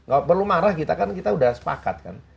gak perlu marah kita kan kita sudah sepakat kan